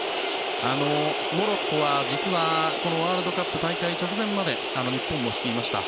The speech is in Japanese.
モロッコは、実はこのワールドカップ大会直前まで日本も率いました